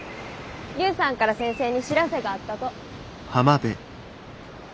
劉さんから先生に知らせがあったと。